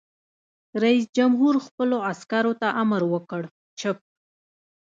رئیس جمهور خپلو عسکرو ته امر وکړ؛ چپ!